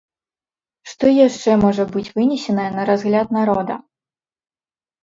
Што яшчэ можа быць вынесенае на разгляд народа?